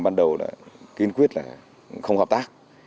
ban đầu kinh quyết là không hợp tác